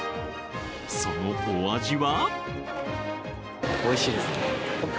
そのお味は？